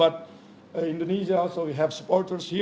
tapi di indonesia juga ada penyokongan di sini